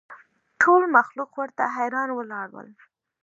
ټول مخلوق ورته حیران ولاړ ول